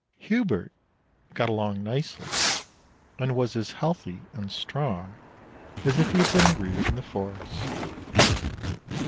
Hubert got along nicely and was as healthy and strong as if he had been reared in the forest.